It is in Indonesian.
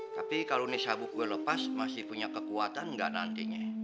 tapi kalau nih sabuk gue lepas masih punya kekuatan gak nantinya